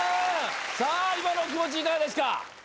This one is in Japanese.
さあ今のお気持ちいかがですか？